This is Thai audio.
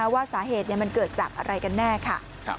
ว่าสาเหตุมันเกิดจากอะไรกันแน่ค่ะ